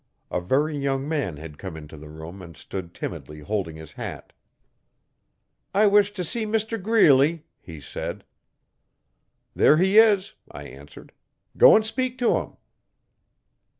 A very young man had come into the room and stood timidly holding his hat. 'I wish to see Mr Greeley,' he said. 'There he is,' I answered, 'go and speak to him.'